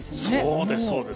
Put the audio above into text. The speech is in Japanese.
そうですそうです。